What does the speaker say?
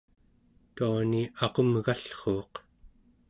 tuani aqumgallruuq